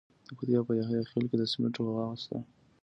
د پکتیکا په یحیی خیل کې د سمنټو مواد شته.